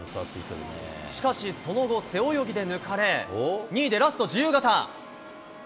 しかしその後、背泳ぎで抜かれ、２位でラスト、自由形。